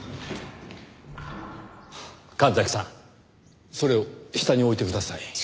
神崎さんそれを下に置いてください。